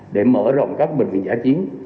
để mở rộng các bệnh viện giả chiến